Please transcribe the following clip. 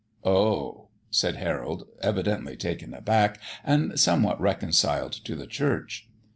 "Oh!" said Harold, evidently taken aback, and somewhat reconciled to the church.